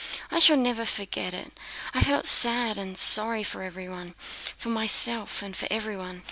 I shall never forget it: I felt sad and sorry for everyone, for myself, and for everyone.